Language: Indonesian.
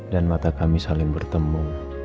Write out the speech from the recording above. dan mata kami saling bertemu